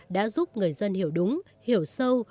đã giúp người dân hiểu đúng hiểu sâu